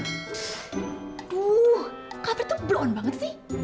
aduh kak fre tuh blown banget sih